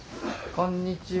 こんにちは。